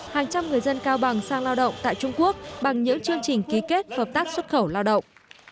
hàng trăm người dân cao bằng sang lao động tại trung quốc bằng những chương trình ký kết hợp tác xuất khẩu lao động